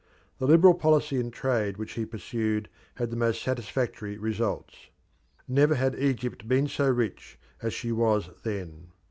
The liberal policy in trade which he pursued had the most satisfactory results. Never had Egypt been so rich as she was then.